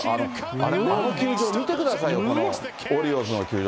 あの球場見てくださいよ、オリオールズの球場。